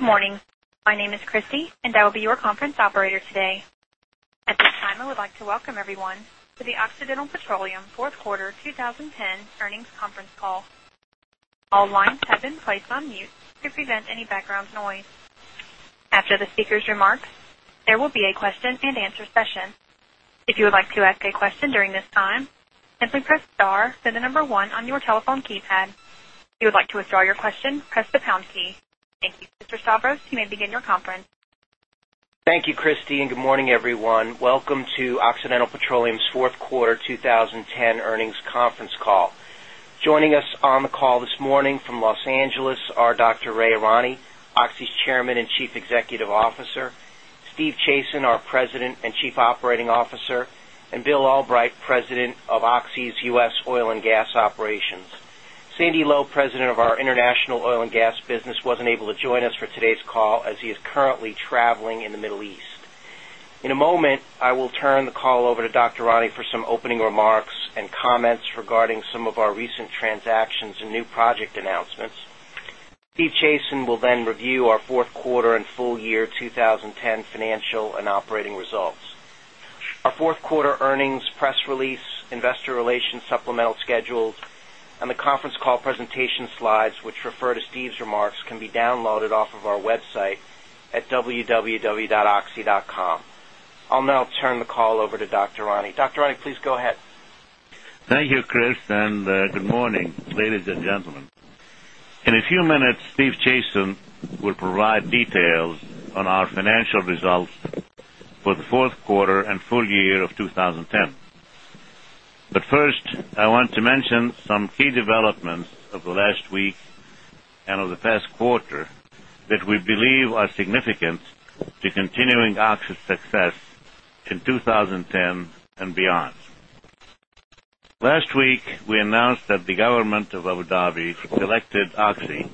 Morning. My name is Christie, and I will be your conference operator today. At this time, I would like to welcome everyone to the Occidental Petroleum 4th Quarter 2010 Earnings Conference Call. All lines have been placed on mute to prevent any background noise. After the speakers' remarks, there will be a question and answer session. Thank you. Mr. Stavros, you may begin your conference. Thank you, Christy, and good morning, everyone. Welcome to Occidental Petroleum's 4th quarter 20 10 earnings conference call. Joining us on the call this morning from Los Angeles are Doctor. Ray Arani, Oxy's Chairman and Chief Executive Officer Steve Chasen, our President and Chief Operating Officer and Bill Albright, President of Oxy's U. S. Oil and Gas Operations. Sandy Lowe, President of our International Oil and Gas Business wasn't able to join us for today's call as he is currently traveling in the Middle East. In a moment, I will turn the call over to Doctor. Ronny for some opening remarks and comments regarding some of our recent transactions and new project announcements. Steve Chasen will then review our Q4 and full year 20 10 financial and operating results. Quarter earnings press release, Investor Relations supplemental schedules and the conference call presentation slides, which refer to Steve's remarks, can be downloaded off of our website at www.oxy.com. I'll now turn the call over to Doctor. Ranney. Doctor. Ranney, please go ahead. Thank you, Chris, and good morning, ladies and gentlemen. In a few minutes, Steve Chasen will provide details on our financial results for the Q4 and full year of 2010. But first, I want to mention some key developments of the last week and of the past quarter that we believe are significant to continuing Oxy's success in 2010 beyond. Last week, we announced that the government of Abu Dhabi selected Oxy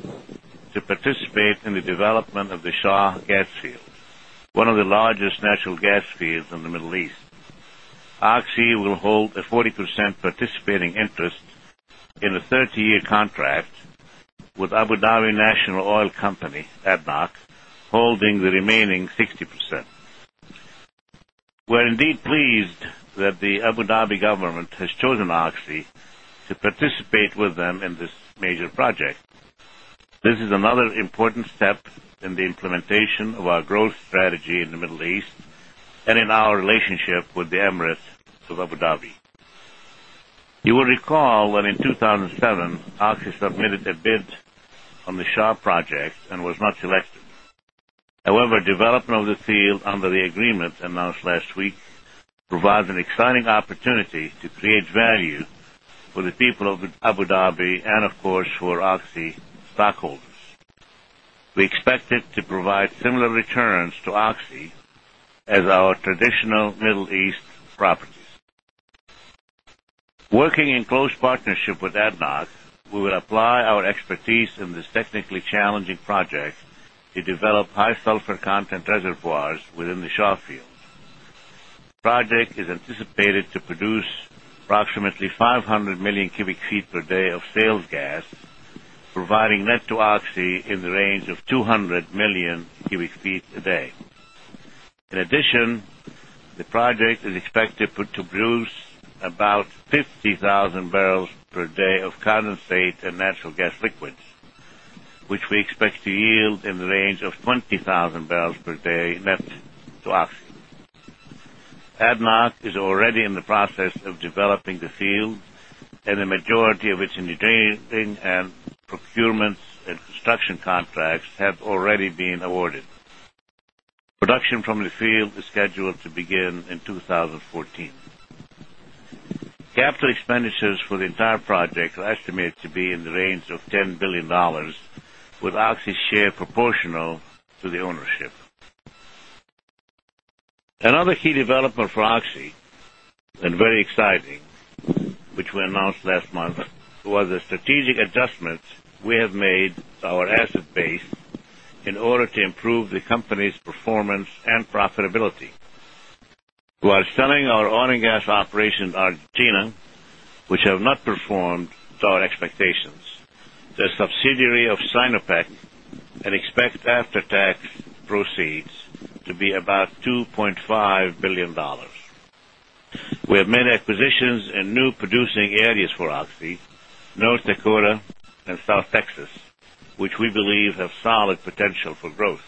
to participate in the development of the Shah gas field, one of the largest natural gas fields in the Middle East. AGSI will hold a 40% participating interest in a 30 year contract with Abu Dhabi National Oil Company, ADNOC, holding the remaining 60%. We're indeed pleased that the Abu Dhabi government has chosen Oksy to participate with them in this major project. This is another important step in the implementation of our growth strategy in the Middle East and in our relationship with the Emirates to Abu Dhabi. You will recall that in 2007, Oxy submitted a bid on the Shah project and was not selected. However, development of the field under the agreement announced last week provides an exciting opportunity to create value for the people of Abu Dhabi and of course for Oxy stockholders. We expect it to provide similar returns to Oxy as our traditional Middle East properties. Working in close partnership with ADNOC, we will apply our expertise in this technically challenging project to develop high sulfur content reservoirs within the Shaw field. Project is anticipated to produce approximately 500,000,000 cubic feet per day of sales gas, providing net to Oxy in the range of 200,000,000 cubic feet a day. In addition, the project is expected to produce about 50,000 barrels per day of condensate and natural gas liquids, which we expect to yield in the range of 20,000 barrels per day net to Oxygen. ADNOC is already in the process of developing the field and the majority of its engineering and procurement and construction contracts have already been awarded. Production from the field is scheduled to begin in 2014. Capital expenditures for the entire project are estimated to be in the range of $10,000,000,000 with Oxy's share proportional to the ownership. Another key development for Oxy and very exciting, which we announced last month, was the strategic adjustments we have made to our asset base in order to improve the company's performance and profitability. While selling our oil and gas operations at Argentina, which have not performed to our expectations, they're a subsidiary of Sinopec and expect after tax proceeds to be about $2,500,000,000 We have made acquisitions in new producing areas for Oxy, North Dakota and South Texas, which we believe have solid potential for growth.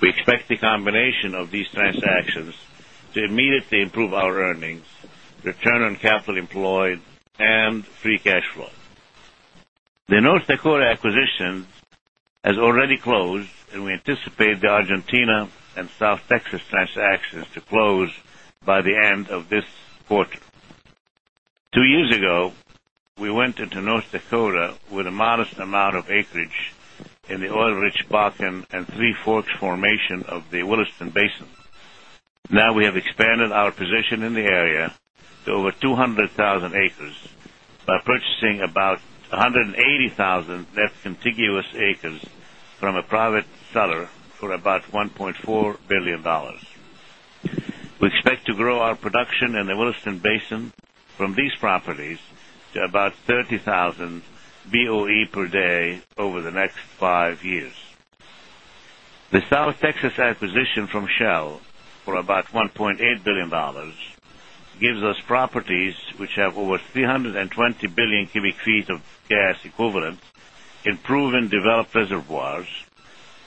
We expect the combination of these transactions to immediately improve our earnings, return on capital employed and free cash flow. The North Dakota acquisition has already closed and we anticipate the Argentina and South Texas transactions to close by the end of this quarter. 2 years ago, we went into North Dakota with a modest amount of acreage in the oil rich Bakken and Three Forks formation of the Williston Basin. Now we have expanded our position in the area to over 200,000 acres by purchasing about 180,000 net contiguous acres from a private seller for about $1,400,000,000 We expect to grow our production in the Williston Basin from these properties to about 30,000 BOE per day over the next 5 years. The South Texas acquisition from Shell for about $1,800,000,000 gives us properties which have over 320,000,000,000 cubic feet of gas equivalent in proven developed reservoirs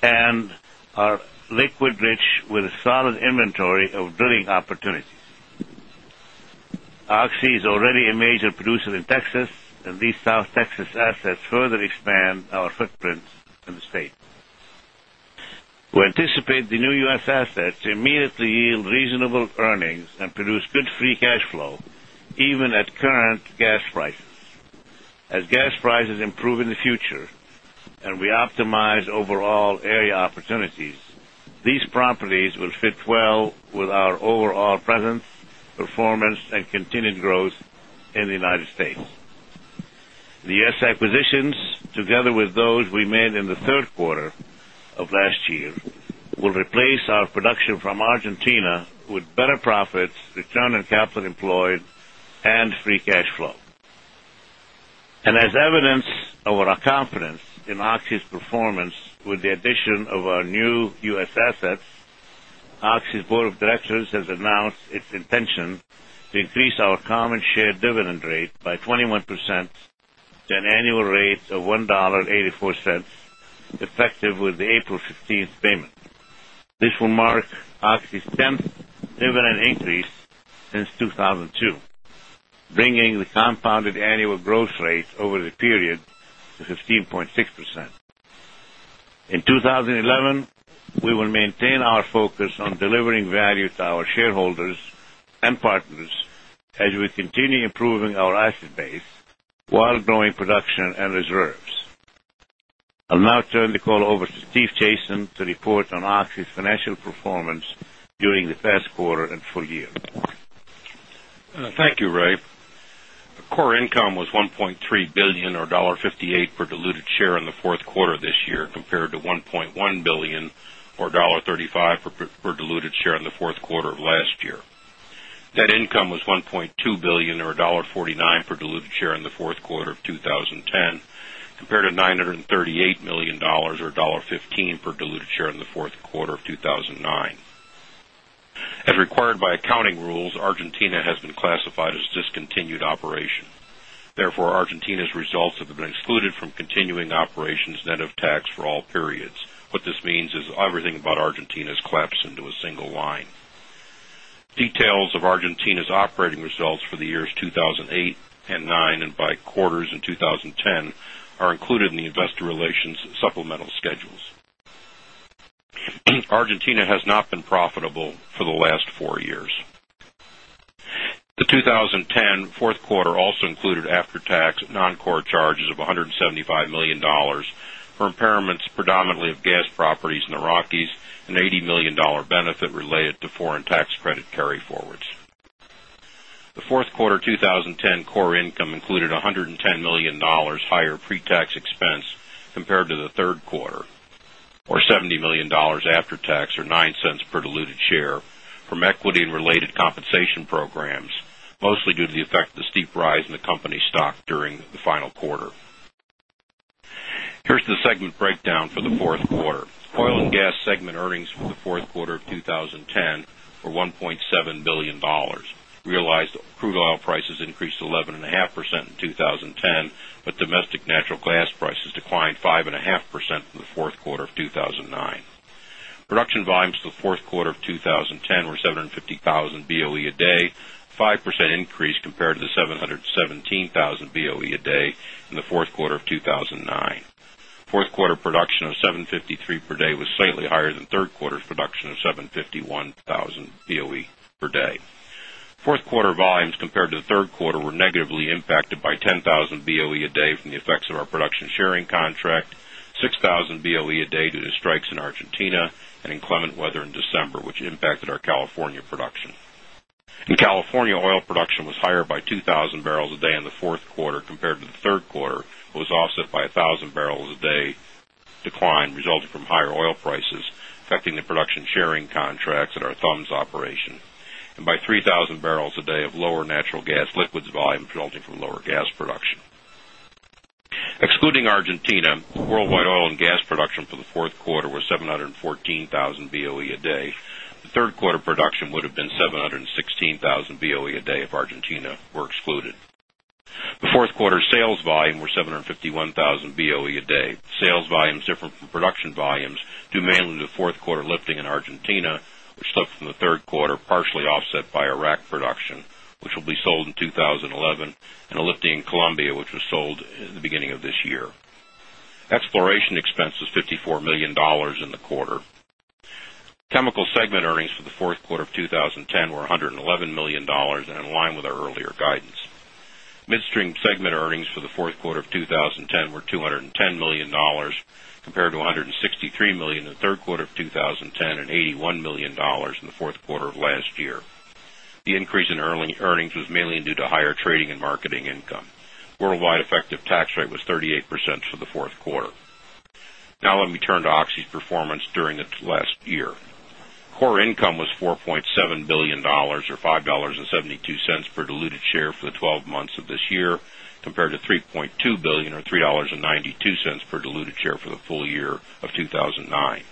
and are liquid rich with a solid inventory of drilling opportunities. Oxy is already a major producer in Texas and these South Texas assets further expand our footprint in the state. We anticipate the new U. S. Assets to immediately yield reasonable earnings and produce good free cash flow even at current gas prices. As gas prices improve in the future and we optimize overall area opportunities, these properties will fit well with our overall presence, performance and continued growth in the United States. The S. Acquisitions together with those we made in the Q3 of last year will replace our production from Argentina with better profits, return on capital employed and free cash flow. And as evidence of our confidence in Oxy's performance with the addition of our new U. S. Assets, Oxy's Board of Directors has announced its intention to increase our common share dividend rate by 21% to an annual rate of $1.84 effective with the April 15 payment. This will mark Oxy's 10th dividend increase since 2002, bringing the compounded annual growth rate over the period to 15.6%. In 2011, we will maintain our focus on delivering value to our shareholders and partners as we continue improving our asset base while growing production and reserves. I'll now turn the call over to Steve Chasen to report on Oxy's financial performance during the past quarter and full year. Thank you, Ray. Core income was 1.3 $1,000,000,000 or $1.58 per diluted share in the Q4 of this year compared to $1,100,000,000 or $1.35 per diluted share in the Q4 of last year. Net income was $1,200,000,000 or $1.49 per diluted share in the Q4 of 2010 compared to $938,000,000 or 1 point $5 per diluted share in the Q4 of 2,009. As required by accounting rules, Argentina has been classified as discontinued operation. Therefore, Argentina's results have been excluded from continuing operations net of tax for all periods. What this means is everything about Argentina has collapsed into a single line. Details of Argentina's operating results for the years 2008 and 2009 and by quarters in 2010 are included in the Investor Relations supplemental schedules. Argentina has not been profitable for the last 4 years. The 20 10 Q4 also included after tax non core charges of $175,000,000 for impairments predominantly of gas properties in the Rockies and $80,000,000 benefit related to foreign tax credit carry forwards. The 4th quarter 2010 core income included $110,000,000 higher pretax expense compared to the Q3 or $70,000,000 after tax or $0.09 per diluted share from equity and related compensation programs, mostly due to the effect of steep rise in the company's stock during the final quarter. Here's the segment breakdown for the Q4. Oil and Gas segment earnings for the Q4 of 2010 were $1,700,000,000 realized crude oil prices increased 11.5% in 20 10, but domestic natural gas prices declined 5.5% in the Q4 of 2,009. Production volumes for the Q4 of 2010 were 750,000 BOE a day, 5% increase compared to the 717,000 BOE a day in the Q4 of 2,009. 4th quarter production of 7.53 per day was slightly higher than 3rd quarter's production of 751,000 BOE per day. 4th quarter volumes compared to the 3rd quarter were negatively impacted by 10,000 BOE a day from the effects of our production sharing contract, 6,000 BOE a day due strikes in Argentina and inclement weather in December, which impacted our California production. In California, oil affecting the production sharing contracts at our Thoms operation and by 3,000 barrels a day of lower natural gas liquids volume resulting from lower gas production. Excluding Argentina, worldwide oil and gas production for the 4th quarter was 714,000 BOE a day. The 3rd quarter production would have been 716,000 BOE a day if Argentina were excluded. The 4th quarter sales volume were 7 51,000 BOE a day. Sales volumes different from production volumes due mainly to the 4th quarter lifting in Argentina, which slipped from the Q3 partially offset by Iraq production, which will be sold in 2011 and a lifting in Colombia, which was sold in the beginning of this year. Exploration expense was $54,000,000 in the quarter. Chemical segment earnings for the Q4 of 2010 were $111,000,000 and in line with our earlier guidance. Midstream segment earnings for the Q4 of 2010 were $210,000,000 compared to $163,000,000 in the Q3 of 2010 $81,000,000 in the Q4 of last year. Increase in earnings was mainly due to higher trading and marketing income. Worldwide effective tax rate was 38% for the 4th quarter. Now let me turn to Oxy's performance during the last year. Core income was $4,700,000,000 or 5.72 dollars per diluted share for the 12 months of this year compared to $3,200,000,000 or $3.92 per diluted share for the full year of 2,009.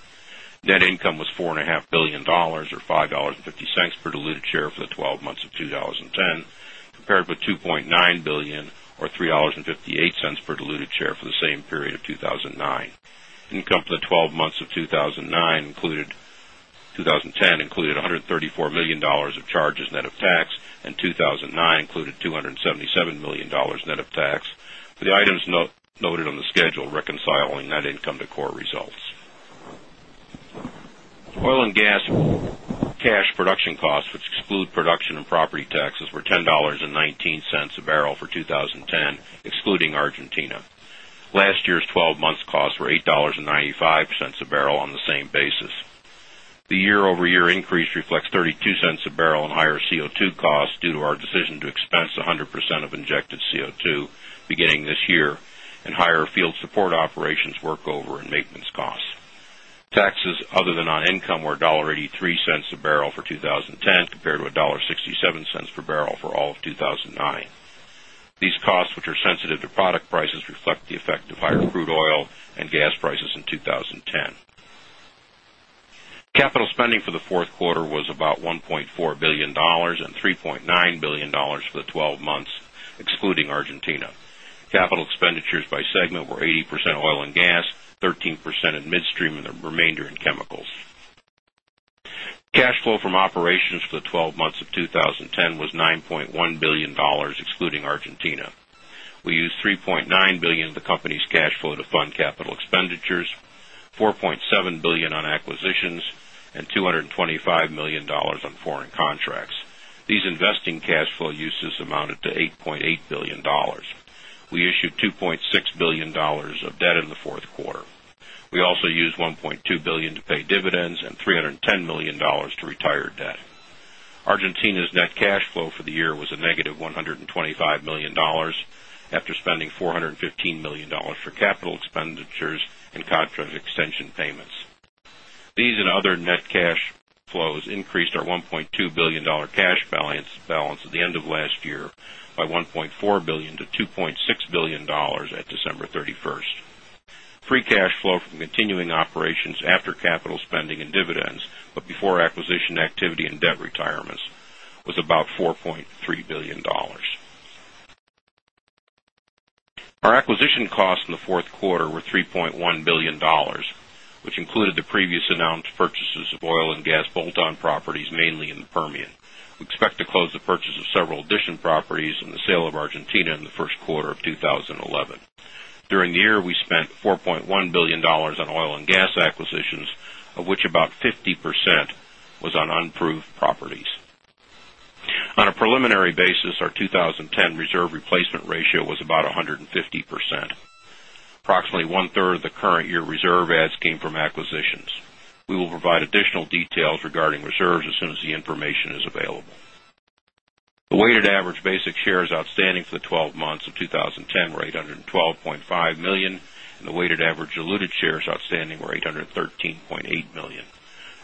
Net income was $4,500,000,000 or $5.50 per diluted share for the 12 months of $2.10 compared with 2.9 $1,000,000,000 or $3.58 per diluted share for the same period of 2,009. Income for the 12 months of and 9 included 2010 included $134,000,000 of charges net of tax and 2,009 included 2.77 $7,000,000 net of tax for the items noted on the schedule reconciling net income to core results. Oil and Gas cash production costs, which exclude production and property taxes were $10.19 a barrel for 20.10, excluding Argentina. Last year's 12 months costs were $8.95 a barrel on the same basis. The year over year increase reflects $0.32 a barrel and higher CO2 costs due to our decision to expense 100% of injected CO2 beginning this year and higher field support operations work over and maintenance costs. Taxes other than non income were $1.83 a barrel for 20.10 compared to $1.67 per barrel for all of 2,009. These costs which are sensitive to product prices reflect the effect of higher crude oil and gas prices in 2010. Capital spending for the 4th quarter was about $1,400,000,000 3,900,000,000 dollars for the 12 months, excluding Argentina. Capital expenditures by segment were 80% oil and gas, 13% in midstream and the remainder in chemicals. Cash flow from operations for the 12 months of 2010 was $9,100,000,000 excluding Argentina. We used $3,900,000,000 of the company's cash flow to fund capital expenditures, dollars 4,700,000,000 on acquisitions and 2.20 $5,000,000 on foreign contracts. These investing cash flow uses amounted to $8,800,000,000 We issued 2 point $6,000,000,000 of debt in the 4th quarter. We also used $1,200,000,000 to pay dividends and $310,000,000 to retire debt. Argentina's net cash flow for the year was a negative $125,000,000 after spending $415,000,000 for capital expenditures and contract extension payments. These and other net cash flows increased our $1,200,000,000 cash balance at the end of last year by $1,400,000,000 to $2,600,000,000 at December 31. Free cash flow from continuing operations after capital spending and dividends, but before acquisition activity and debt retirements was about $4,300,000,000 Our acquisition costs in the Q4 were $3,100,000,000 which included the previous announced purchases of oil and gas bolt on properties mainly in Permian. We expect to close the purchase of several addition properties in the sale of Argentina in the Q1 of During the year, we spent $4,100,000,000 on oil and gas acquisitions, of which about 50% was on unproved properties. On a preliminary basis, our 20 10 reserve replacement ratio was about 150%. Approximately 1 third of the current year reserve adds came from acquisitions. We will provide additional details regarding reserves as soon as the information is available. The weighted average basic shares outstanding for the 12 months of 2010 were $812,500,000 and the weighted average diluted shares outstanding were 813,800,000.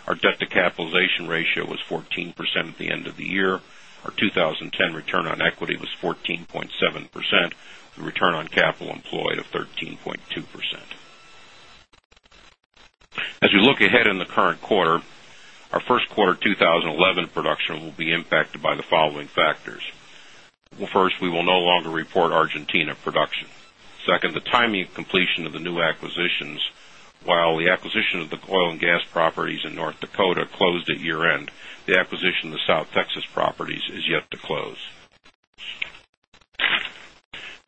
Our debt to capitalization ratio was 14% at the end of the year. Our 2010 return on equity was 14.7 percent, the return on capital employed of 13.2%. As we look ahead in the current quarter, our Q1 2011 production will be impacted by the following factors. 1st, we will no longer report Argentina production. 2nd, the timing of completion of the new acquisitions, while the acquisition of the oil and gas properties in North Dakota closed at year end, the acquisition of the South Texas properties is yet to close.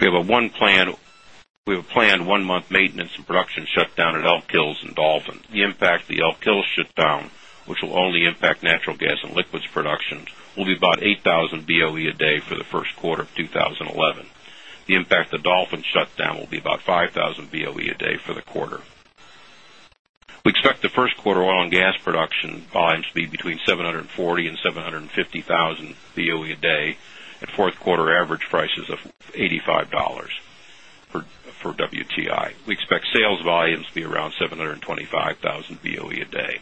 We have a planned 1 month maintenance and production shutdown at Elk Hills and Dolphin. The impact of the Elk Hills shutdown, which will only impact natural gas and liquids production will be about 8,000 BOE a day for the Q1 of 2011. The impact of Dolphin shutdown will be about 5,000 BOE a day for the quarter. We expect the Q1 oil and gas production volumes to be between 740,000 750,000 BOE a day at 4th quarter average prices of $85 for WTI. We expect sales volumes to be around 725,000 BOE a day.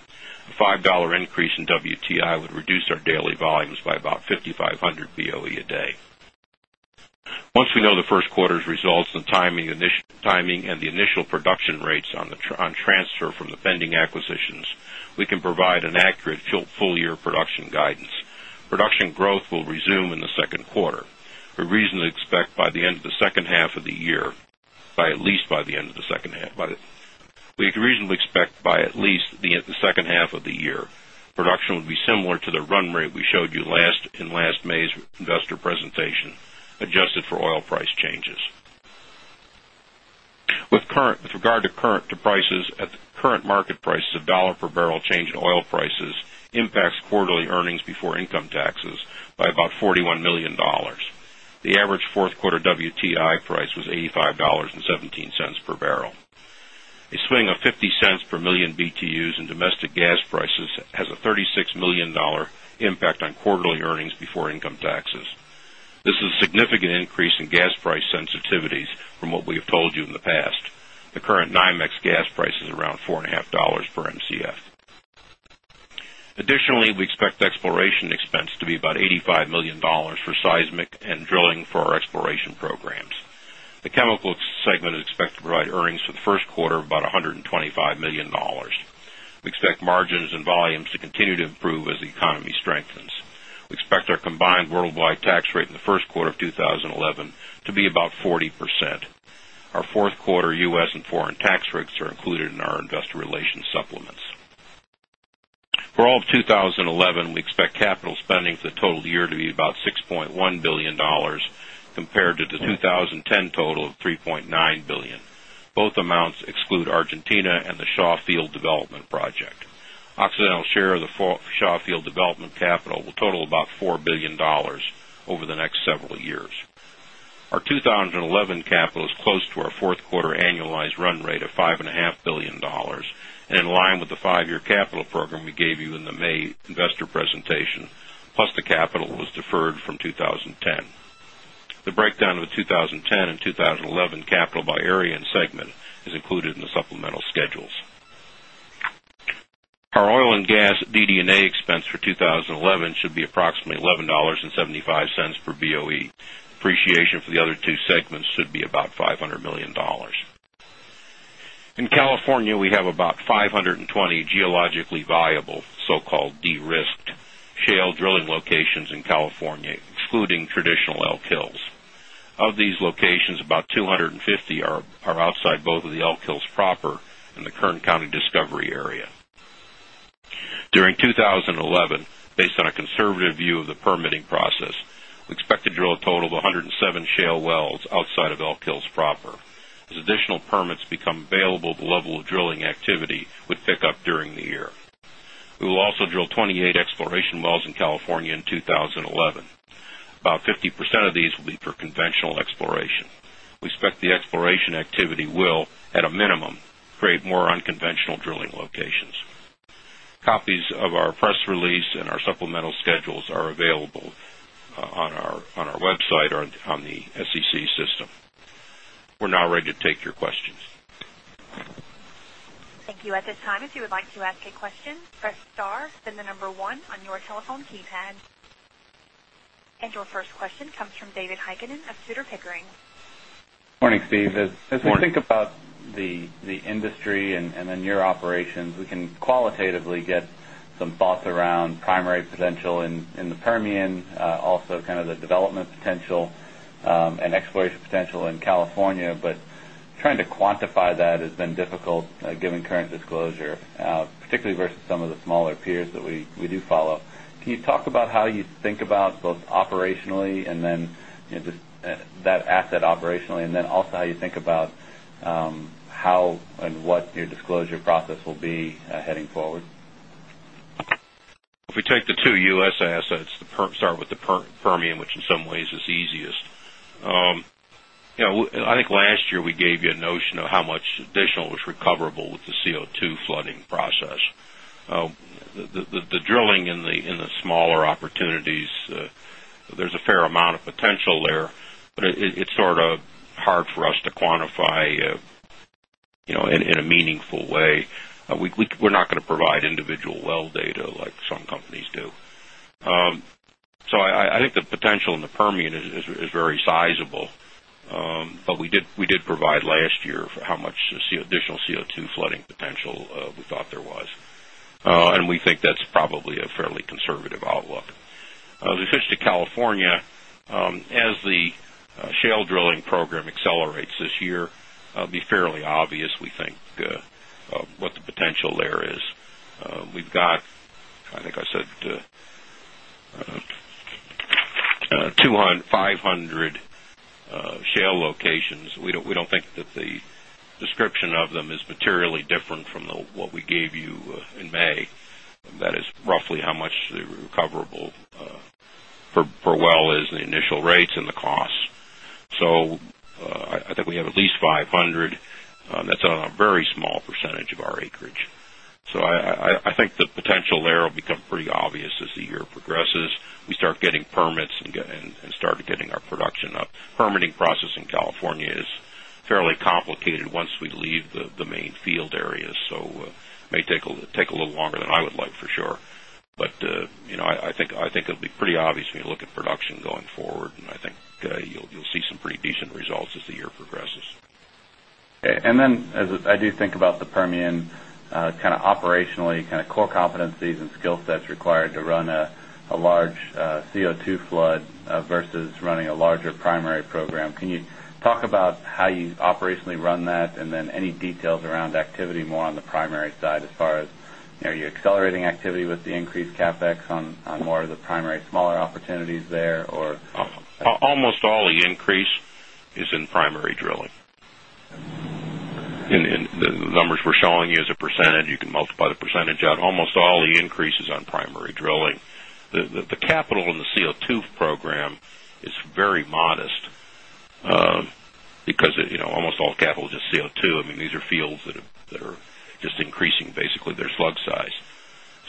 A $5 increase in WTI would reduce our daily volumes by about 5,500 BOE a day. Once we know the Q1's results and timing and the initial production rates on transfer from the pending acquisitions, we can provide an accurate full year production guidance. Production growth will resume in the second quarter. We reasonably expect by the end of the second half of the year by at least by the end of the second half by the we reasonably expect by at least the second half of the year production would be similar to the run rate we showed you in last May's investor presentation adjusted for oil price changes. With current with regard to current to prices at current market prices, dollars 1 per barrel change in oil prices impacts quarterly earnings before income taxes by about 41 $1,000,000 The average 4th quarter WTI price was $85.17 per barrel. A swing of $0.50 per 1,000,000 BTUs in domestic gas prices has a $36,000,000 impact on quarterly earnings before income taxes. This is a significant increase in price sensitivities from what we have told you in the past. The current NYMEX gas price is around $4.5 per Mcf. Additionally, we expect exploration expense to be about $85,000,000 for seismic and drilling for our exploration programs. The Chemical segment is expected to provide earnings for the Q1 of about $125,000,000 We expect margins and volumes to continue to improve as the economy strengthens. We expect our combined worldwide tax rate in the Q1 of 2011 to be about 40%. Our Q4 U. S. And foreign tax rates are included in our Investor Relations supplements. For all of 2011, we expect capital spending for the total year to be about $6,100,000,000 compared to the 2010 total of $3,900,000,000 Both amounts exclude Argentina 2019 capital is close Our 2011 capital is close to our 4th quarter annualized run rate of $5,500,000,000 and in line with the 5 year capital program we gave in the May investor presentation, plus the capital was deferred from 2010. The breakdown of the 20102011 10 and 20 11 capital by area and segment is included in the supplemental schedules. Our oil and gas DD and A expense for 20.11 should be approximately $11.75 per BOE. Appreciation for the other two segments should be about $500,000,000 In California, we have about 520 geologically viable so called de risked shale drilling locations in California, excluding traditional Elk Hills. Of these locations, about 250 are outside both of the Elk Hills proper and the Kern County discovery area. During 2011 based on a conservative view of the permitting process, we expect to drill a total of 107 shale wells outside of Elk Hills proper. As additional permits become available, the level of drilling activity would pick up during the year. We will also drill 28 exploration wells in California in 2011. About 50% of these will be for conventional exploration. We expect the exploration activity will at a minimum create more unconventional drilling locations. Copies of our press release supplemental schedules are available on our website or on the SEC system. We're now ready to take your questions. And your first question comes from David Heikkinen of Tudor Pickering. Good morning, Steve. As we think about the industry and then your operations, we can qualitatively get some thoughts around primary potential in the Permian, also kind of the development potential and exploration potential in California. But trying to quantify that has been difficult given current disclosure, particularly versus some of the smaller peers that we do follow. Can you talk about how you think about both operationally and then that asset operationally and then also how you think about how and what your disclosure process will be heading forward? If we take the 2 U. S. Assets, start with the Permian, which in some ways is easiest. I think year we gave you a notion of how much additional was recoverable with the CO2 flooding process. The drilling in the smaller opportunities, there's a fair in a meaningful way. We're not going to provide in a meaningful way. We're not going to provide individual well data like some companies do. So I think the potential in the Permian is very sizable, but we did provide last year how much additional CO2 flooding potential we thought there was. And we think that's probably a fairly conservative outlook. As we switch to California, as the shale drilling program accelerates this year, it will be fairly obvious we think what the potential there is. We've got, I think I said, 2500 Shale locations. We don't think that the description of them is materially different from what we gave you in May. That is roughly how much the recoverable per well is the initial rates and the costs. So I think we have at least 500 that's on a very small percentage of our acreage. So I think the potential there will become pretty obvious as the year progresses. We start getting permits and start getting our production up. Permitting But I But I think it will be pretty obvious when you look at production going forward and I think you will see some pretty decent results as the year progresses. And then as I do think about the Permian, kind of operationally, kind of core competencies and skill sets required to run a large CO2 flood versus running a larger primary program. Can you talk about how you operationally run that? And then any details around activity more on the primary side as far as are you accelerating activity with the increased CapEx on more of the primary smaller opportunities there or? Almost all the Almost all the increase is in primary drilling. The numbers we're showing you as a percentage, you can multiply the percentage out almost all the increases on primary drilling. The capital in the CO2 program is very modest because almost all capital is just CO2. I mean these are fields that are just increasing basically their slug size.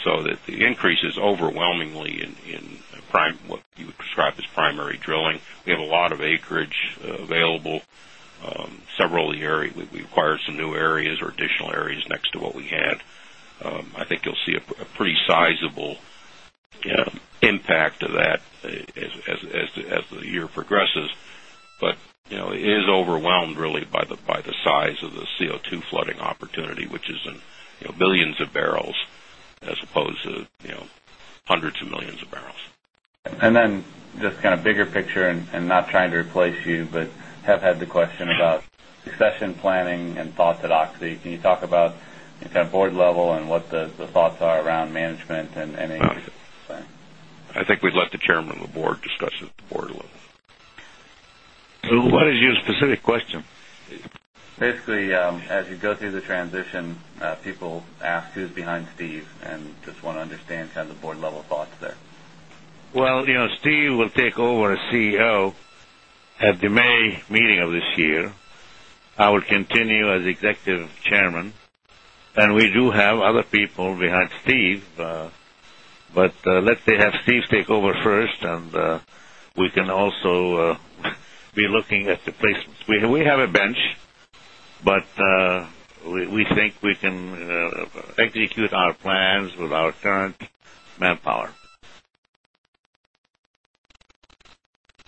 So the increase is overwhelmingly in prime what you would describe as primary drilling. We have a lot of acreage available. Several year we acquired some new areas or additional areas next to what we had. I think you'll see a pretty sizable impact of that as the year progresses. But it is overwhelmed really by the size of the CO2 flooding opportunity, which is in billions of barrels as opposed to 100 of millions of barrels. And then just kind of bigger picture and not trying to replace you, but have had the question about succession planning and thoughts at Oxy. Can you talk about kind of Board level and what the thoughts are around management and any I think we'd let the Chairman of the Board discuss it at the Board level. What is your specific question? Basically, as you go through the transition, people ask who is behind Steve and just want to understand kind of the Board level thoughts there. Well, Steve will take over as CEO at the May meeting of this year. I will continue as Executive Chairman and we do have other people behind Steve, But let's say, have Steve take over first and we can also be looking at the placements. We have a bench, but we think we can execute our plans with our current manpower.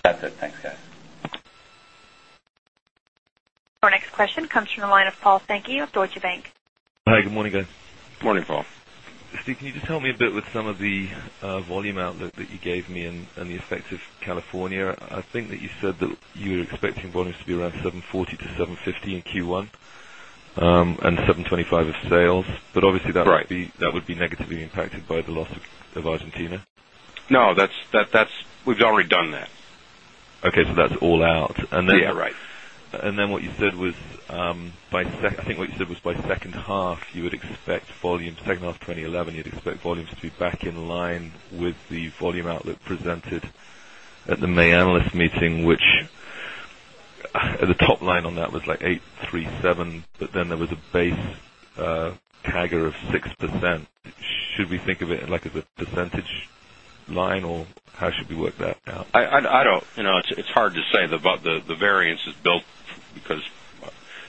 That's it. Thanks guys. Your next question comes from the line of Paul Sankey of Deutsche Bank. Hi, good morning, guys. Good morning, Paul. Steve, can you just help me a bit with some of the volume outlook that you gave me and the effect of California? I think that you said that you're expecting volumes to be around $740,000,000 to $750,000,000 in Q1 and $725,000,000 of sales, but obviously that would be negatively impacted by the loss of Argentina? No, that's we've already done that. Okay. So that's all out. Yes, right. And then what you said was I think what you said was by second half, you would expect volume second half twenty eleven, you'd expect volumes to be back in line with the volume outlook presented at the May Analyst Meeting, which the top line on that was like 8.37%, but then there was a base CAGR of 6%. Should we think of it like as a percentage line or how should we work that out? I don't it's hard to say the variance is built because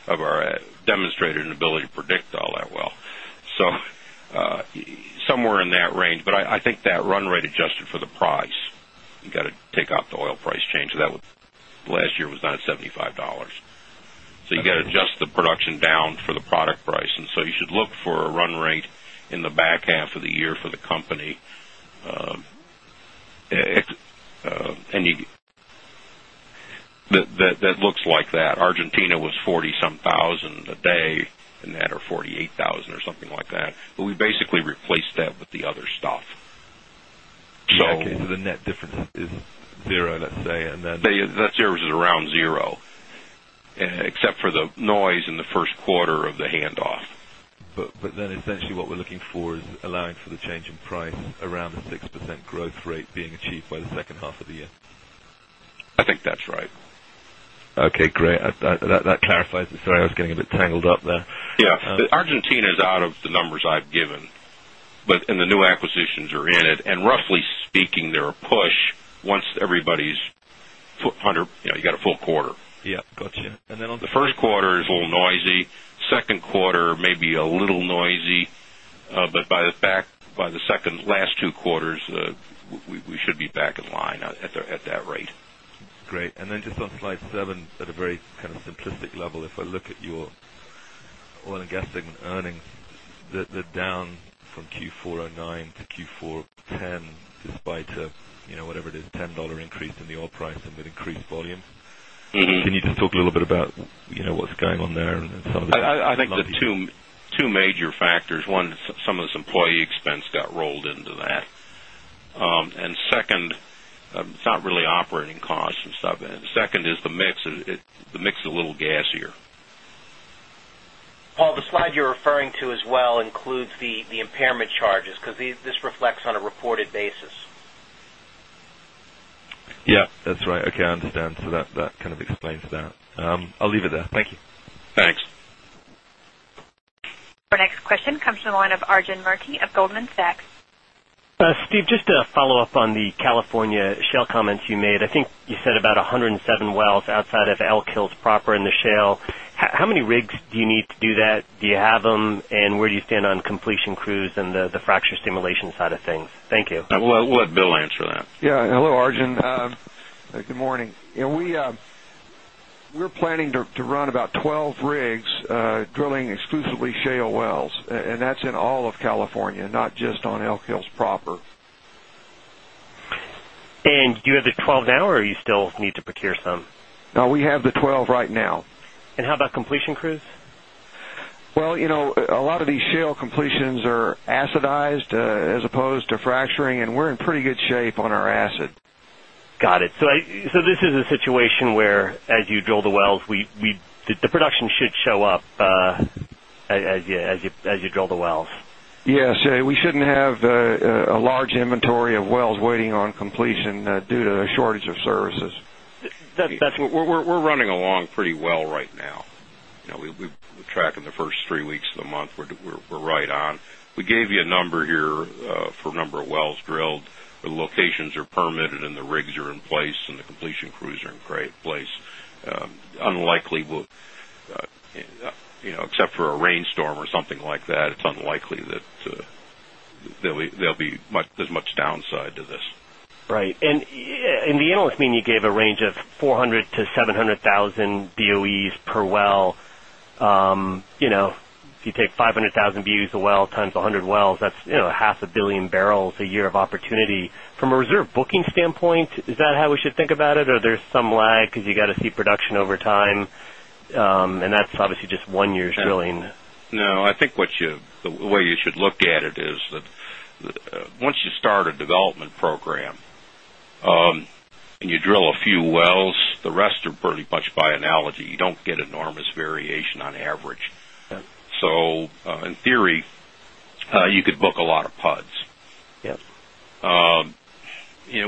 of our demonstrated ability to predict all that well. So somewhere in that range, but I think that run rate adjusted for the price, you got to take off the oil price change, so that would last year was down at $75 So you got to adjust the production down for the product price. And so you should look for a run rate in the back half of the year for the company. That looks like that. Argentina was 40 some 1,000 a day and that are 48,000 or something like that. But we basically replaced that with the other stuff. Okay. So the net difference is 0, let's say, and then That's 0 is around 0, except for the noise in the Q1 of the handoff. But then essentially what we're looking for is allowing for the change in price around the 6% growth rate being achieved by the second half of the year? I think that's right. Okay, great. That clarifies it. Sorry, I was getting a bit tangled up there. Yes. Argentina is out of the numbers I've given. But and the new acquisitions are in it. And roughly speaking, they're a push once everybody's you got a full quarter. Yes, got you. And then on the Q1 is a little noisy. 2nd quarter maybe a little noisy. But by the second last two quarters, we should be back in line at that rate. Great. And then just on Slide 7, at a very kind of simplistic level, if I look at your Oil and Gas segment earnings, they're down from Q4 'nine to Q4 'ten despite whatever it is, dollars 10 increase in the oil price and with increased volumes. Can you just talk a little bit about what's going on there and some of the I think the 2 major factors. 1, some of this employee expense got rolled into that. And second, it's not really operating costs and stuff. And second is the mix, the mix is a little gassier. Paul, the slide you're referring to as well includes the impairment charges because this reflects on a reported basis. Yes, that's right. Okay, I understand. So that kind of explains that. I'll leave it there. Thank you. Thanks. Your next question comes from the line of Arjun Murthy of Goldman Sachs. Steve, just a follow-up on the California shale comments you made. I think you said about 107 wells outside of Elk Hills proper in the shale. How many rigs do you need to do that? Do you have them? And where do you stand on completion crews and the fracture stimulation side of things? Thank you. I'll let Bill answer that. Yes. Hello, Arjun. Good morning. We're planning to run about 12 rigs drilling exclusively shale wells and that's in all of California, not just on Elk Hills proper. And do you have the 12 now or you still need procure some? No, we have the 12 right now. And how about completion crews? Well, a lot of these shale completions are acid ized as opposed to fracturing and we're in pretty good shape on our asset. Got it. So this is a situation where as you drill the wells, we the production should show up as you drill the wells? Yes. We shouldn't have a large inventory of wells waiting on completion due to the shortage of services. We're running along pretty well right now. We track in the 1st 3 weeks of the month. We're right on. We gave you a number here for a number of wells drilled. The locations are permitted and the rigs are in place and the completion crews are in great place. Unlikely, except for a rainstorm or something like that, it's unlikely that there will be as much downside to this. Right. And in the analyst meeting, you gave a range of 400,000 to 700,000 BOEs per well. If you take 500,000 views a well times 100 wells, that's 500,000,000 barrels a year of opportunity. From a reserve booking standpoint, is that how we should think about it? Or there is some lag because you got to see production over time and that's obviously just 1 year drilling? No, I think what you the way you should look at it is that once you start a development program and you drill a few wells, the rest are pretty much by analogy. You don't get enormous variation on average. So in theory, you could book a lot of PUDs.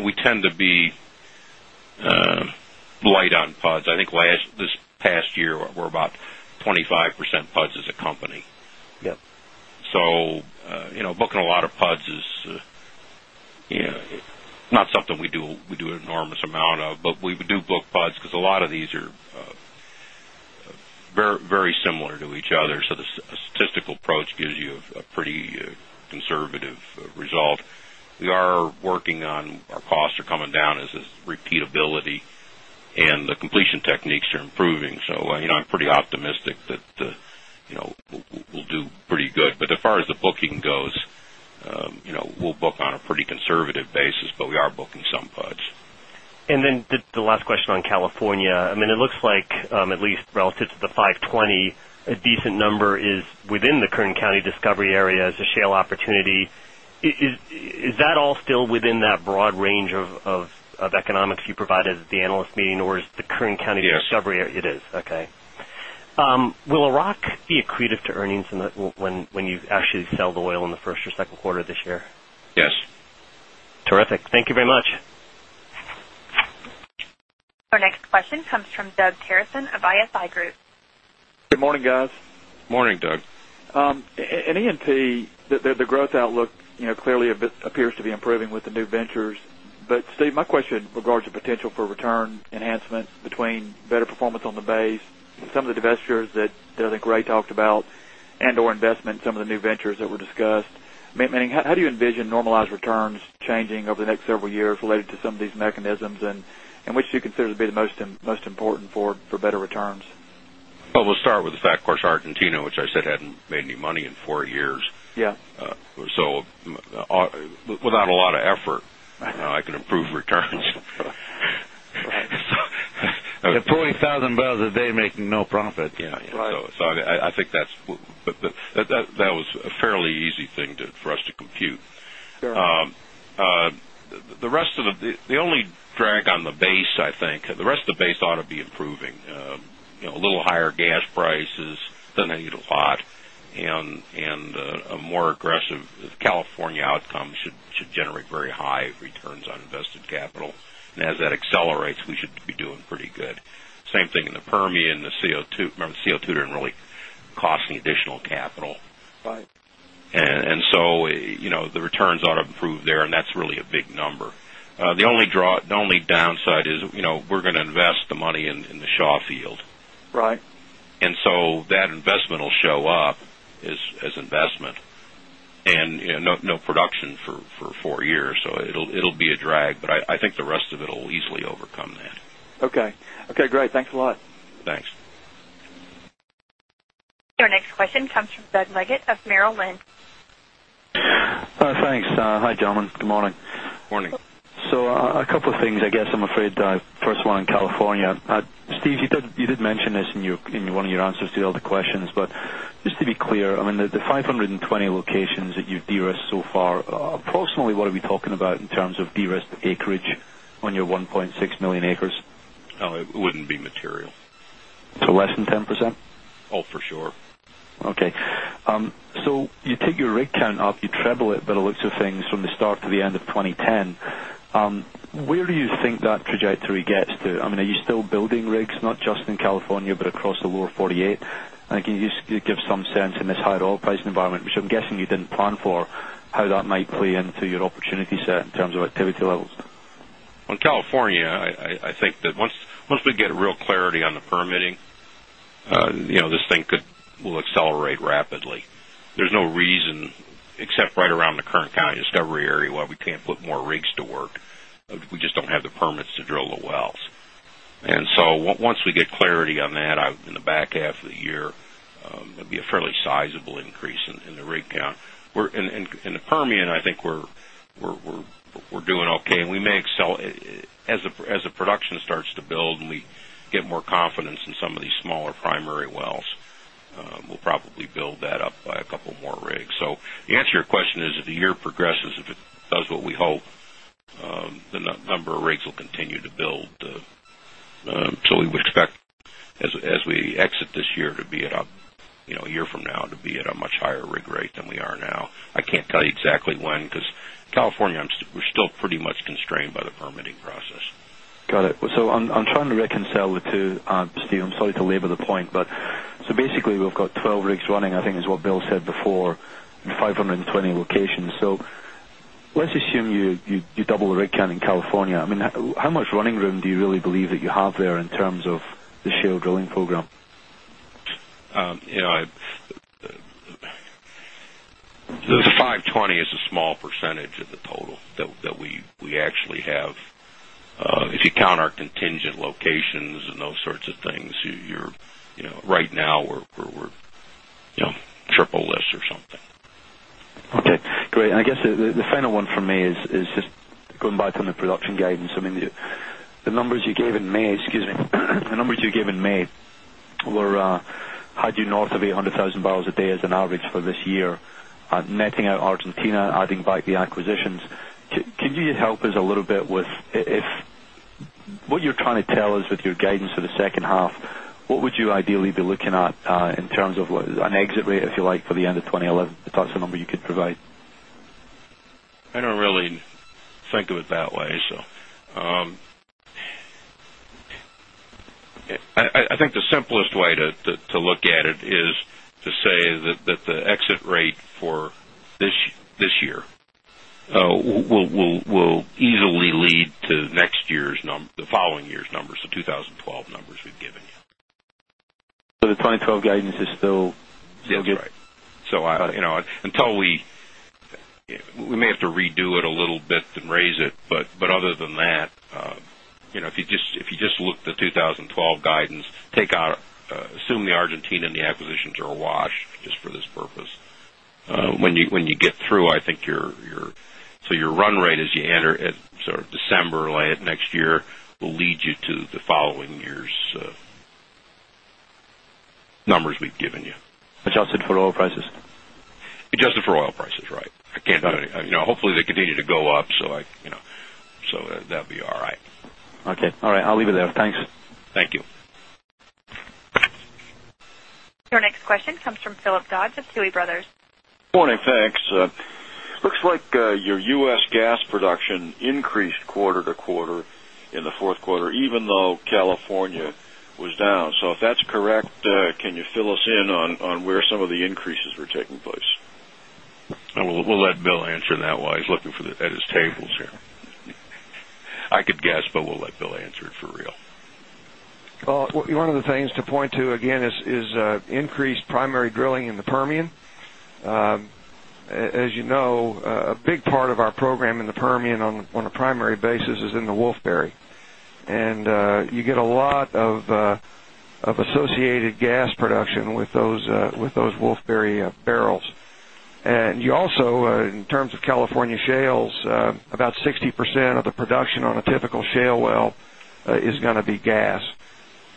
We tend to be light on PUDs. I think last this past year we're about 25% PUDs as a company. So booking a lot of PUDs is not something we do an enormous amount of, but we do book BUDS because a lot of these are very similar to each other. So the statistical approach gives you a pretty conservative result. We are working on our costs are coming down as a repeatability and the completion techniques are improving. So I'm pretty optimistic that we'll do pretty good. But as far as the booking goes, we'll book a pretty conservative basis, but we are booking some puds. And then the last question on California, I mean it looks like at least relative to the 520, a decent number is within the Kern County discovery area as a shale opportunity. Is that all still within that broad range of economics you provided at the Analyst Meeting or is the Kern County discovery? Yes. It is. Okay. Will Iraq be accretive to earnings when you actually sell the oil in the 1st or second quarter this year? Yes. Terrific. Thank you very much. Our next question comes from Doug Terreson of ISI Group. Good morning, guys. Good morning, Doug. In E and P, P, the growth outlook clearly appears to be improving with the new ventures. But Steve, my question regards to potential for return enhancements between better performance on the base, some of the divestitures that I think Ray talked about and or investment in some of the new ventures that were discussed, meaning how do you envision normalized returns changing over the next several years related to some of these mechanisms and which do you consider to be the most important for better returns? Well, we'll start with Fat Quarter Argentina, which I said hadn't made any money in 4 years. So without a lot of effort, I can improve returns. Okay. We have 40,000 barrels a day making no profit. Yes. So I think that was a fairly easy thing for us to compute. The rest of the the only drag on the base I think, the rest of the base ought to be improving. A little higher gas prices than they need a lot and a we the Permian, the CO2 remember CO2 didn't really cost any additional capital. And so the returns ought to improve there and that's really a big number. The only downside is we're going to invest the money in the Shaw field. And so that investment will show up as investment and no production for 4 years. So it will be a drag, but I think the rest of it will easily overcome that. Okay, great. Thanks a lot. Thanks. Your next question comes from Doug Leggate of Merrill Lynch. Thanks. Hi, gentlemen. Good morning. Good morning. So a couple of things, I guess, I'm afraid. First one, California. Steve, you did mention this in one of your answers to all the questions. But just to be clear, I mean, the 5 20 locations that you derisked so far, approximately what we're talking about in terms of de risked acreage on your 1,600,000 acres? It wouldn't be material. So less than 10%? Oh, for sure. Okay. So you take your rig count up, you treble it by the looks of things from the start to the end of 2010. Where do you think that trajectory gets to? I mean, are you still building rigs not just in California, but across the Lower 48? Can you just give some sense in this higher oil price environment, which I'm guessing you didn't plan for how that might play into your opportunity set in terms of activity levels? On California, I think that once we get real clarity on the permitting, this thing could will accelerate rapidly. There's no reason except right around the current discovery area why we can't put more rigs to work. We just don't have the permits to drill the wells. And so once we get clarity on that out in the back half of the year, it would be a fairly sizable increase in the rig count. In the Permian, I think we're doing okay and we may excel as the production starts to build and we get more confidence in some of these smaller primary wells, we'll probably build that up by a couple more rigs. So the answer to your question is if the year progresses, if it does what we hope, the number of rigs will continue to build. So we would expect as we exit this year to be at a a year from now to be at a much higher rig rate than we are now. I can't tell you exactly when because California, we're still pretty much constrained by the permitting process. Got it. So I'm trying to reconcile the 2, Steve, I'm sorry to labor the point, but so basically we've got 12 rigs running, I think is what Bill said before, in 5 20 locations. So let's assume you double the rig count in California. I mean, how much running room do you really believe that you have there in terms of the shale drilling program? The $520,000,000 is a small percentage of the total that we actually have. If you count our contingent locations and those sorts of things, you're right now we're triple less or something. Okay, great. And I guess the final one for me is just going back on the production guidance. I mean, the numbers you gave in May excuse me, the numbers you gave in May were had you north of 800,000 barrels a day as an average for this year, netting out Argentina adding back the acquisitions. Can you help us a little bit with if what you're trying to tell us with your guidance for the second half, what would you ideally be looking at in terms of an exit rate, if you like, for the end of 2011, if that's the number you could provide? I don't really think of it that way. So I think the simplest way to look at it is to say that the exit rate for this year will easily lead to next year's the following year's numbers, the 2012 numbers we've given you. So the 2012 guidance is still good? That's right. So until we we may have to redo it a little bit and raise it. But other than that, if you just look at the 2012 guidance, take out assume the Argentina and the acquisitions are awash just for this purpose. When you get through, I think your so your run rate as you enter at sort of December or late next year will lead you to the following year's numbers we've given you. Adjusted for oil prices? Adjusted for oil prices, right. I can't hopefully they continue to go up, so that will be all right. Okay. All right. I'll leave it there. Thanks. Thank you. Your next question comes from Philip Dodds of Tuohy Brothers. Good morning. Thanks. It looks like your U. S. Gas production increased quarter to quarter in the Q4, even though California was down. So if that's correct, can you fill us in on where some of the increases were place? We'll let Bill answer that while he's looking at his tables here. I could guess, but we'll let Bill answer it for real. One of the things to point to again is increased primary drilling in the Permian. As you know, a big part of our program in the Permian on a primary basis is in the Wolfberry. And you get a lot of associated gas production with those Wolfberry barrels. And you also in terms of California shales, about 60% of the production on a typical shale well is going to be gas.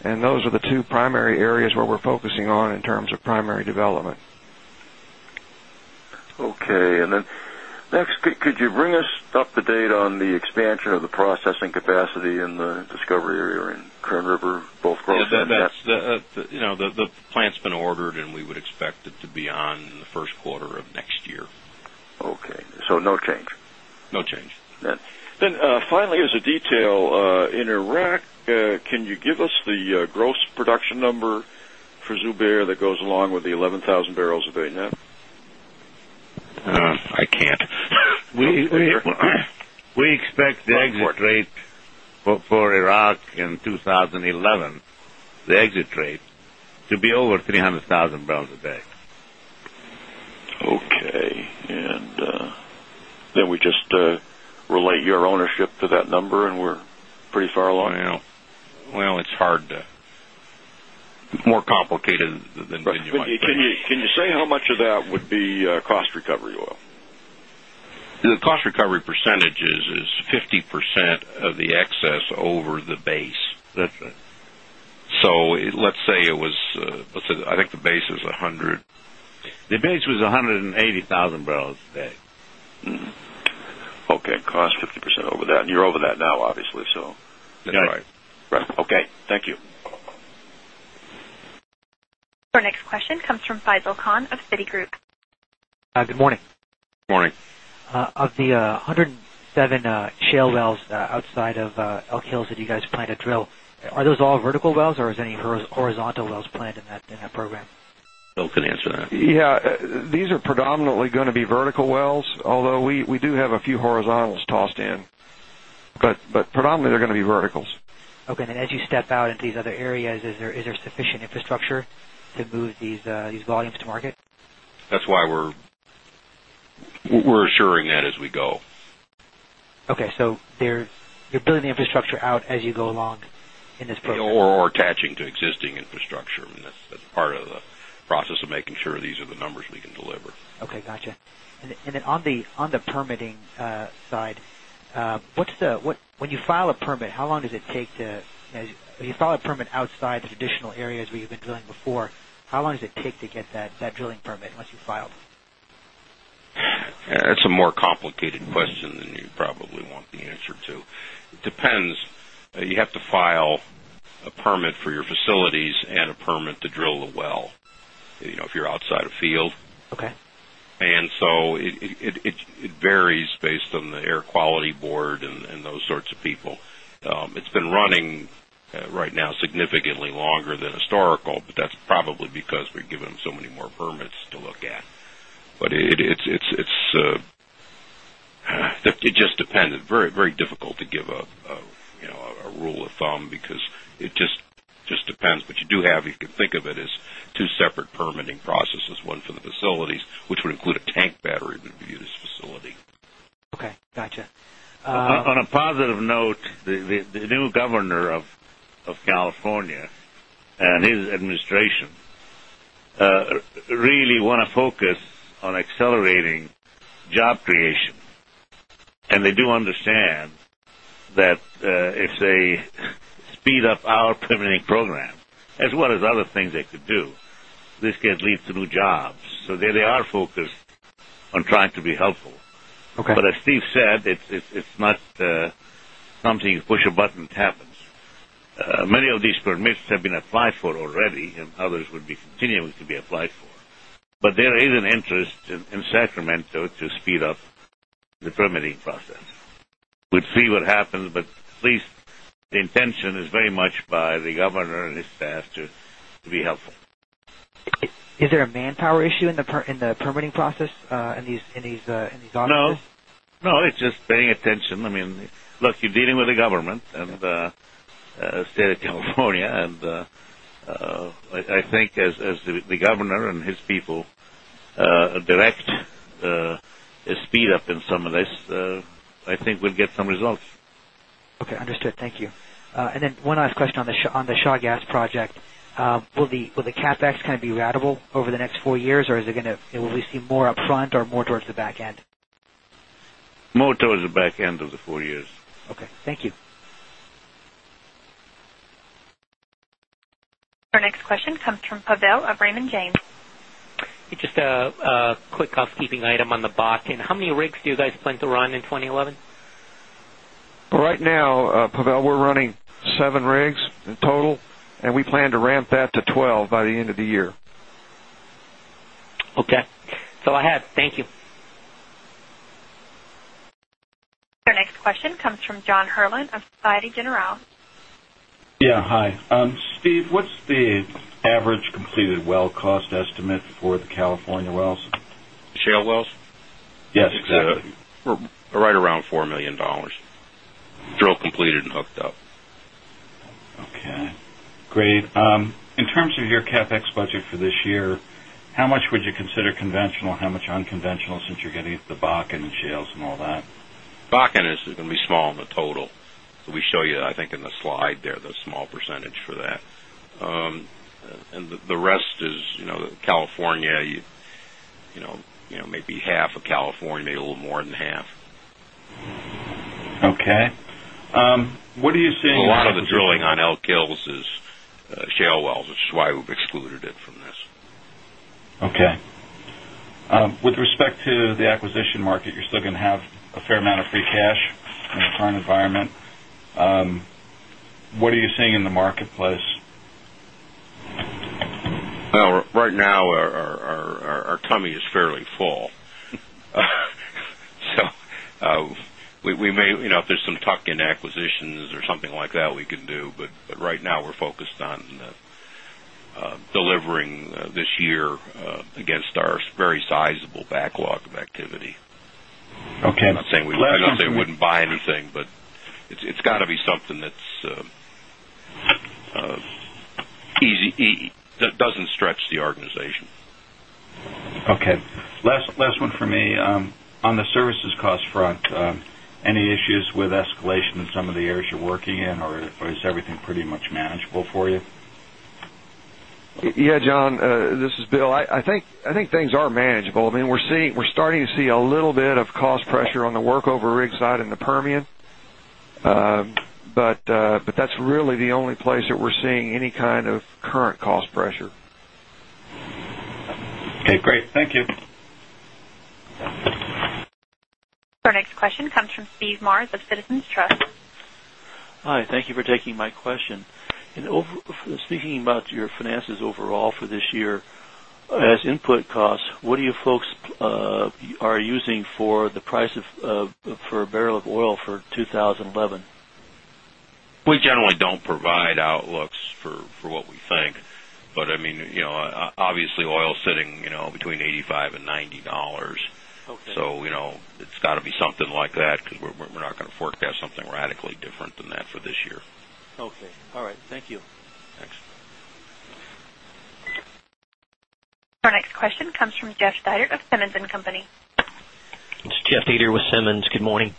And those are the 2 primary areas where we're focusing on in terms of primary development. Okay. And then next, could you bring us up to date on the expansion of the processing capacity in the discovery area in Kern River both growth and depth? The plant has been ordered and we would expect it to be on in the Q1 of next year. Okay. So no change? No change. Then finally as a detail in Iraq, can you give us the gross production number for Zubair that goes along with the 11,000 barrels of Avaya? I can't. We expect the exit rate for Iraq in 2011, the exit rate to be over 300,000 a day. Okay. And then we just relate your ownership to that number and we're pretty far along? Well, it's hard to it's more complicated than you want. Can you say how much of that would be cost recovery oil? The cost recovery percentages is 50% of the excess over the base. So let's say it was I think the base is 100. The base was 180,000 barrels a day. Okay. Cost 50% over that and you're over that now obviously. So That's right. Okay. Thank you. Your next question comes from Faisal Khan of Citigroup. Hi, good morning. Good morning. Of the 107 shale wells outside of Elk Hills that you guys plan to drill. Are those all vertical wells or is any horizontal wells planned in that program? Phil can answer that. Yes. These are predominantly going to be vertical wells, although we do have a few horizontals tossed in. But predominantly they're going to be verticals. Okay. And then as you step out into these other areas, is there sufficient infrastructure to move these volumes to areas, is there sufficient infrastructure to move these volumes to market? That's why we're assuring that as we go. Okay. So you're building the infrastructure out as you go along in this program? Or attaching to existing infrastructure. That's part of the process of making sure these are the numbers we can deliver. Okay, got you. And then on the permitting side, what's the when you file a permit, how long does it take to when you file a permit outside the traditional areas where you've been drilling before, how long does it take to get that drilling permit once you file? It's a more complicated question than you probably want the answer to. It depends. You have to file a permit for your facilities and a permit to drill the well if you're outside of field. Okay. And so it varies based on the Air Quality Board and those sorts of people. It's been running right now significantly longer than historical, but that's probably because we've given so many more permits to look at. But it just depends, very difficult to give a rule of thumb because it just depends. But you do have, you can think of it as 2 separate permitting processes, one for the facilities, which would include a tank battery that would be viewed as facility. Okay, got you. On a positive note, the new Governor of California and his administration really want to focus on accelerating job creation. And they do understand that if they speed up our permitting program as well as other things they could do, this leads to new jobs. So they are focused on trying to be helpful. But as Steve said, it's not something you push a button, it happens. Many of these permits have been applied for already and others would be continuing to be applied for. But there is an interest in Sacramento to speed up the permitting process. We'd see what happens, but at least the intention is very much by the governor and his staff to be helpful. Is there a manpower issue in the permitting process in these audits? Auctions? No. It's just paying attention. I mean, look, you're dealing with the government and State of California. And I think as the governor and his people direct speed up in some of this, I think we'll get some results. Okay. Understood. Thank you. And then one last question on the Shaw Gas project. Will the CapEx kind of be ratable over the next 4 years? Or is it going to will we see more upfront or more towards the back end? More towards the back end of the 4 years. Okay. Thank you. Your next question comes from Pavel of Raymond James. Just a quick housekeeping item on the Bakken. How many rigs do you guys plan to run-in 2011? Right now, Pavel, we're running 7 rigs in total, we plan to ramp that to 12 by the end of the year. Okay. That's all I had. Thank you. Your next question comes from John Herrlin of Societe Generale. Yes. Hi. Steve, what's the average completed well cost estimate for the California wells? Shale wells? Yes. Right around $4,000,000 drill completed and hooked up. Okay. Great. In terms of your CapEx budget for this year, how much would you consider conventional? How much unconventional since you're getting at the Bakken and shales and all that? Bakken is going to be small in the total. So we show you I think in the slide there the small percentage for that. And the rest is California, maybe half of California, maybe a little more than half. Okay. What are you seeing A lot of the drilling on Elk Hills is shale wells, which is why we've excluded it from this. Okay. With respect to the acquisition market, you're still going to have a fair amount of free cash in the current environment. What are you seeing in the marketplace? Right now, our tummy is fairly full. So we may if there's some tuck in acquisitions or something like that we can do, but right now we're focused on delivering this year against our very sizable backlog of activity. Okay. I'm not saying we wouldn't buy anything, but it's got to be something that's easy that doesn't stretch the organization. Okay. Last one for me. On the services cost front, any issues with escalation in some of the areas you're working in or is everything pretty much manageable for you? Yes, John. This is Bill. I think things are manageable. I mean, we're seeing we're starting to see a little bit of cost pressure on the workover rig side in the Permian, but that's really the only place that we're seeing any kind of current cost pressure. Okay, great. Thank you. Your next question comes from Steve Marrs of Citizens Trust. Hi, thank you for taking my question. Speaking about your finances overall for this year as input costs, what do you folks are using for the price of for a barrel of oil for 2011? We generally don't provide outlooks for what we think. But I mean obviously oil sitting between $85 $90 So it's got to be something like that because we're not going to fork out something radically different than that for this year. Okay. All right. Thank you. Thanks. Our next question comes from Jeff Dieter of Simmons and Company. It's Jeff Dieter with Simmons. Good morning.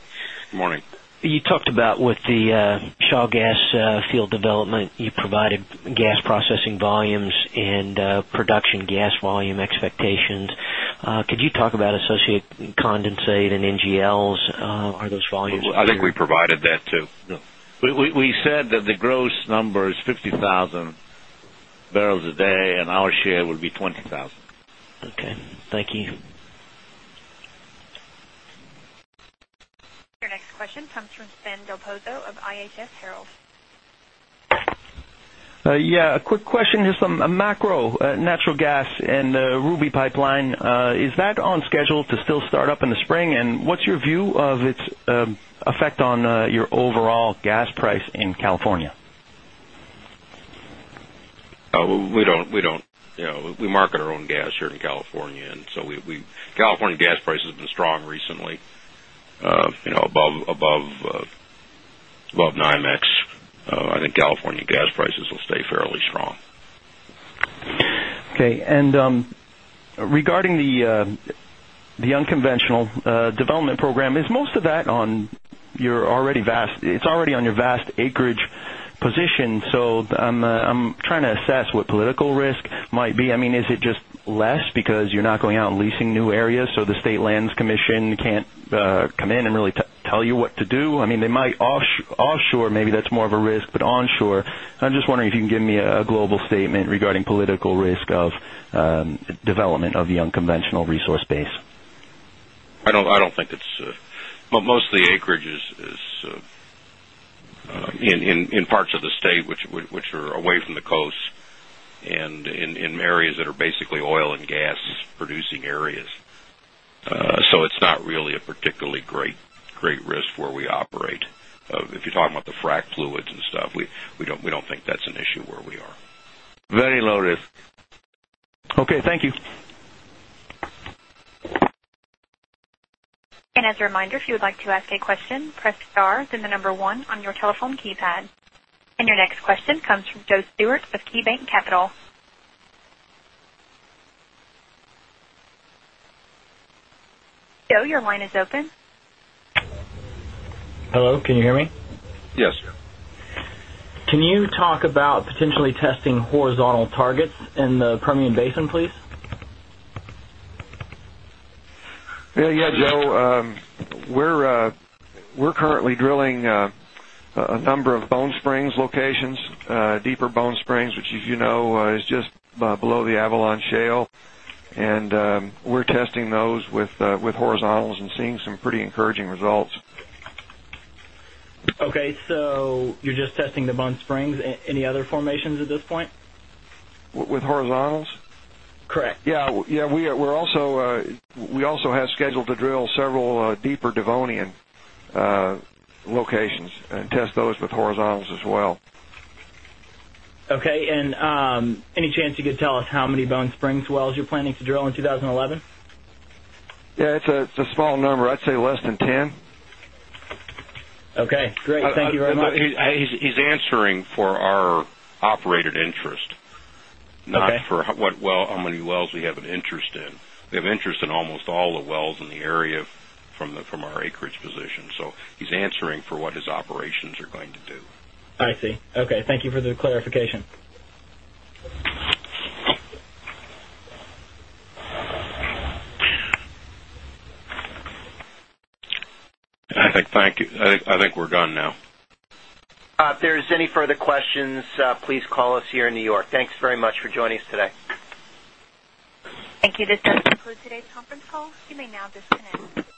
Good morning. You talked about with the Shaw Gas field development you provided gas processing volumes and production gas volume expectations. Could you talk about associated condensate I think we provided that too. We said that the gross number is 50,000 barrels a day and our share will be 20,000. Okay. Thank you. Your next question comes from Sven Del Pozzo of IHS Harold. Yes, a quick question just on macro natural gas in the Ruby pipeline. Is that on schedule to still start up in the spring and what's your view of its effect on your overall gas price in California? We don't. We market our own gas here in California. And so we California gas prices have been strong recently, above NYMEX. I think California gas prices will stay fairly strong. Okay. And regarding the unconventional development program, is most of that on your already vast it's already on your vast acreage position. So I'm trying to assess what political risk might be. I mean is it just less because you're not going out and leasing new areas, so the State Lands Commission can't come in and really tell you what to do. I mean they might offshore maybe that's more a risk, but onshore, I'm just wondering if you can give me a global statement regarding political risk of development of the unconventional resource base? I don't think it's but most of the acreage is in parts of the state, which are away from the coast and in areas that are basically oil and gas producing areas. So it's not really a particularly great risk where we operate. If you're talking about the frac fluids and stuff, we don't think that's an issue where we are. Very low, Rick. Okay. Thank you. And your next question comes from Joe Stewart of KeyBanc Capital. Joe, your line is open. Hello. Can you hear me? Yes. Can you talk about potentially testing horizontal targets in the Permian Basin, please? Yes, Joe. We're currently drilling a number of Bone Springs locations, deeper Bone Springs, which as you know is just below the Avalon Shale and we're testing those with horizontals and seeing some pretty encouraging results. Okay. So you're just testing the Bone Springs, any other formations at this point? With horizontals? Correct. Yes. We also have scheduled to drill several deeper Devonian locations and test those with horizontals as well. Okay. And any chance you could tell us how many Bone Springs wells you're planning to drill in 2011? Yes, it's a small number. I'd say less than 10. Okay, great. Thank you very much. He's answering for our operated interest, not for how many wells we have an interest in. We have interest in almost all the wells in the area from our acreage position. So he's answering for what his operations are going to do. I see. Okay. Thank you for the clarification. I think we're gone now. If there is any further questions, please call us here in New York. Thanks very much for joining us today. Thank you. This does conclude today's conference call. You may now disconnect.